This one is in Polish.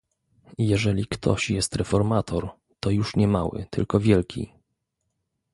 "Jeżeli ktoś jest reformator, to już nie mały, tylko wielki."